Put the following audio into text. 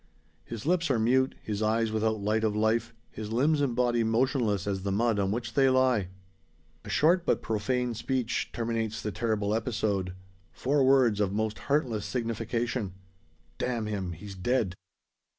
His lips are mute, his eyes without light of life, his limbs and body motionless as the mud on which they lie. A short, but profane, speech terminates the terrible episode; four words of most heartless signification: "Damn him; he's dead!"